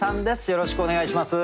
よろしくお願いします。